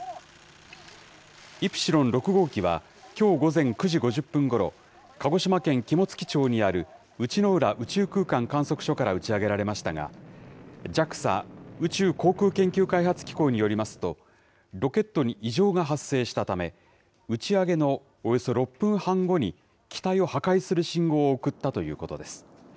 イプシロン６号機は、きょう午前９時５０分ごろ、鹿児島県肝付町にある内之浦宇宙空間観測所から打ち上げられましたが、ＪＡＸＡ・宇宙航空研究開発機構によりますと、ロケットに異常が発生したため、打ち上げのおよそ６分半後に機体を破壊する信号を送ったということです。